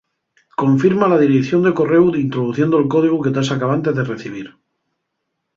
Confirma la direición de corréu introduciendo'l códigu que tas acabante de recibir.